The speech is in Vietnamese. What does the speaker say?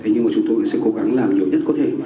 nhưng mà chúng tôi sẽ cố gắng làm nhiều nhất có thể